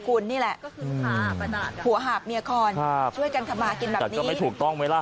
กูนนี่แหละก็คือค่ะหัพหมี่คออนครับช่วยกันทำมากินแบบนี้แต่ก็ไม่ถูกต้องมั้ย